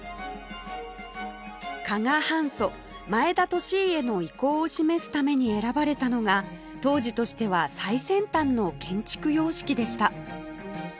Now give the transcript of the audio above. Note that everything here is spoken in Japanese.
加賀藩祖前田利家の威光を示すために選ばれたのが当時としては最先端の建築様式でした